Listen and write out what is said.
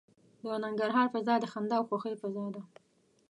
د ننګرهار فضا د خندا او خوښۍ فضا ده.